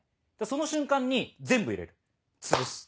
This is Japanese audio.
その瞬間に全部入れるつぶす